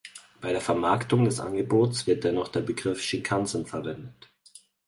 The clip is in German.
Bei der Vermarktung des Angebots wird dennoch der Begriff Shinkansen verwendet.